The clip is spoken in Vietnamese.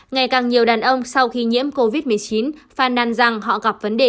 ngày càng nhiều đàn ông sau khi nhiễm covid một mươi chín phàn nàn rằng họ gặp vấn đề